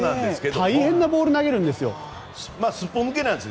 大変なボール投げるんです。